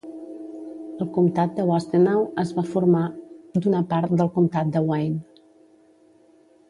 El comtat de Washtenaw es va formar d'una part del comtat de Wayne.